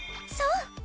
そう！